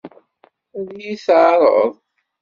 Ad iyi-t-teɛṛeḍ?